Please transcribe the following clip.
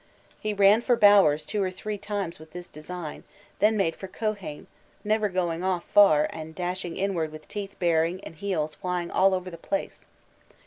He ran for Bowers two or three times with this design, then made for Keohane, never going off far and dashing inward with teeth bared and heels flying all over the place.